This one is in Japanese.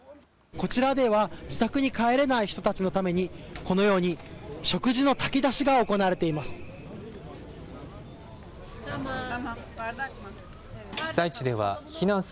こちらでは、自宅に帰れない人たちのために、このように、食事の炊き出しが行われています。